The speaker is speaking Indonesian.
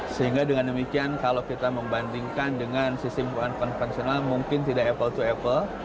sehingga dengan demikian kalau kita membandingkan dengan sistem one konvensional mungkin tidak apple to apple